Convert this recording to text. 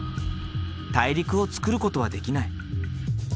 大陸をつくることはできない。